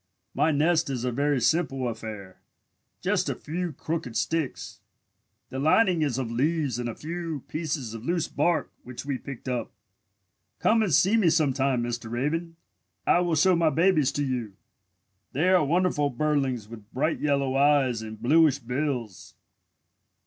My nest is a very simple affair, just a few crooked sticks. The lining is of leaves and a few pieces of loose bark which we picked up. "Come and see me sometime, Mr. Raven. I will show my babies to you. They are wonderful birdlings with bright yellow eyes and bluish bills.